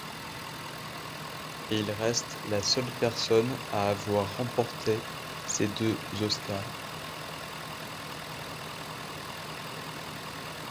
Il reste la seule personne à avoir remporté ces deux Oscars.